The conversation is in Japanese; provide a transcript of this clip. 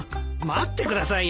待ってくださいよ。